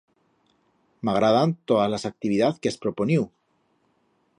M'agradan todas las actividaz que has proponiu.